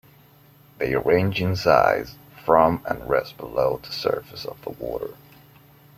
They range in size from and rest below the surface of the water.